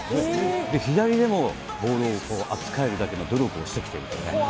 左でもボールを扱えるだけの努力をしてきていると。